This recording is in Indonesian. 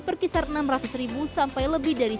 berkisar enam ratus sampai lebih dari